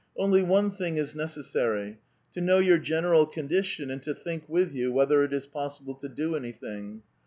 Only one thing is necessary : to know your general condition, and to think with you whether it is possible to do anything.